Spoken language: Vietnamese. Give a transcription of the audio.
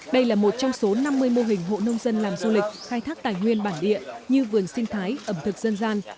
đây là một trong số năm mươi mô hình hộ nông dân làm du lịch khai thác tài nguyên bản địa như vườn sinh thái ẩm thực dân gian